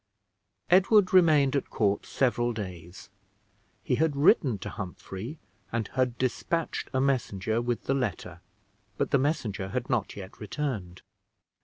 Edward remained at court several days. He had written to Humphrey, and had dispatched a messenger with the letter; but the messenger had not yet returned.